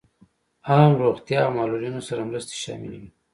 عام روغتیا او معلولینو سره مرستې شاملې وې.